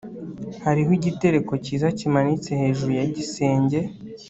hariho igitereko cyiza kimanitse hejuru ya gisenge